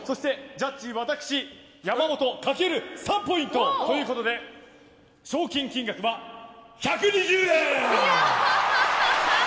ジャッジ山本かける３ポイントということで賞金金額は１２０円！